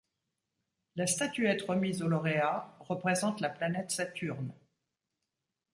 La statuette remise aux lauréats représente la planète Saturne.